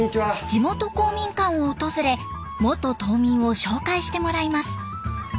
地元公民館を訪れ元島民を紹介してもらいます。